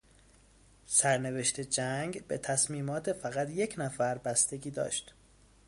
سرنوشت جنگ به تصمیمات فقط یک نفر بستگی داشت.